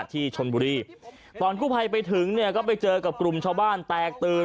ที่ชนบุรีตอนกู้ภัยไปถึงเนี่ยก็ไปเจอกับกลุ่มชาวบ้านแตกตื่น